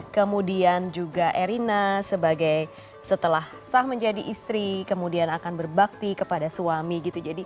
kemudian juga erina sebagai setelah sah menjadi istri kemudian akan berbakti kepada suami gitu